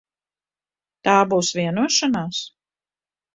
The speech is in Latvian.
Tā būs vienošanās?